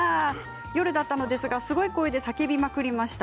夜だったのですがすごい声で叫びまくりました。